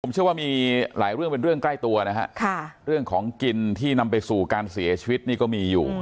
เชื่อว่ามีหลายเรื่องเป็นเรื่องใกล้ตัวนะฮะเรื่องของกินที่นำไปสู่การเสียชีวิตนี่ก็มีอยู่